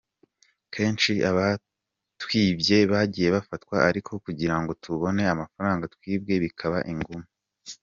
Kenshi abatwibye bagiye bafatwa ariko kugira ngo tubone amafaranga twibwe bikaba ingume.